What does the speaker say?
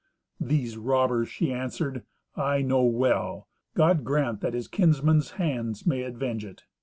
"These robbers," she answered, "I know well. God grant that his kinsmen's hands may avenge it.